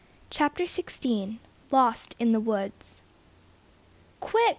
CHAPTER XVI LOST IN THE WOODS "Quick!"